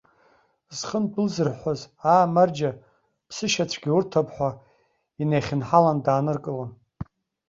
Зхы ндәылзырҳәҳәаз, аа, амарџьа, ԥсышьацәгьа урҭап ҳәа инаихьынҳаланы дааныркылон.